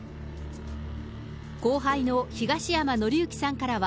後輩の東山紀之さんからは、